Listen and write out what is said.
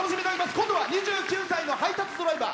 今度は２９歳の配達ドライバー。